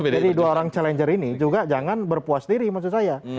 jadi dua orang challenger ini juga jangan berpuas diri maksud saya